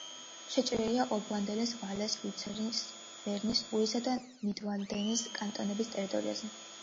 შეჭრილია ობვალდენის, ვალეს, ლუცერნის, ბერნის, ურისა და ნიდვალდენის კანტონების ტერიტორიაზე.